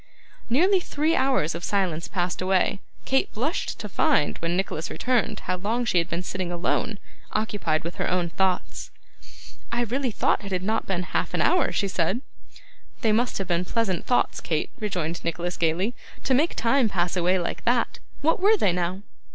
Nearly three hours of silence passed away. Kate blushed to find, when Nicholas returned, how long she had been sitting alone, occupied with her own thoughts. 'I really thought it had not been half an hour,' she said. 'They must have been pleasant thoughts, Kate,' rejoined Nicholas gaily, 'to make time pass away like that. What were they now?